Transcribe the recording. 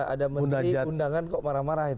ada menteri undangan kok marah marahin